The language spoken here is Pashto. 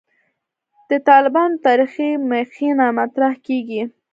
د «طالبانو تاریخي مخینه» مطرح کېږي.